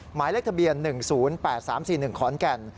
หมายเลขทะเบียน๑๐๘๓๔๑ขอนแก่น